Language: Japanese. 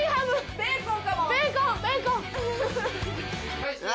ベーコン！